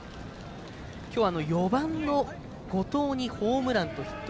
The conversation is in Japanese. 今日は４番の後藤にホームランとヒット。